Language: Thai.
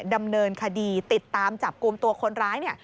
ดำเนินคดีติดตามจับกลุ่มตัวคนร้ายเนี่ย